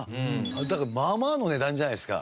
まあまあの値段じゃないですか。